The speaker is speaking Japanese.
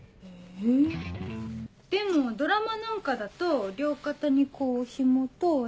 へぇでもドラマなんかだと両肩にこうひも通して。